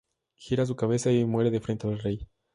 Gira su cabeza y muere de frente al Rey.